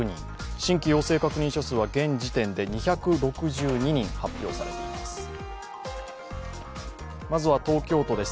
新規陽性確認者は現時点で２６２人発表されています。